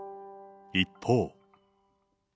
一方。